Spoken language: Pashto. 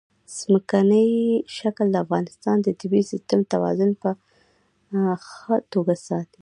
ځمکنی شکل د افغانستان د طبعي سیسټم توازن په ښه توګه ساتي.